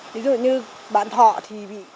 ví dụ như bạn thọ thì bị